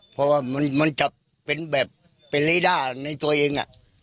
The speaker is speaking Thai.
เพราะว่ามันจะเป็นแบบเป็นลีด้าในตัวเอง